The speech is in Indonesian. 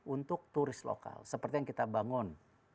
untuk turis lokal seperti yang kita bangun